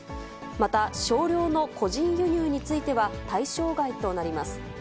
また少量の個人輸入については、対象外となります。